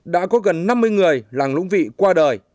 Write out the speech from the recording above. đã có gần năm mươi người làng lũng vị qua đời